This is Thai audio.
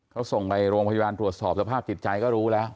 เขาส่งไปโรงพยาบาลตรวจสอบสภาพจิตใจก็รู้แล้ว